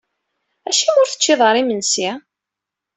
Acimi ur teččiḍ ara imensi?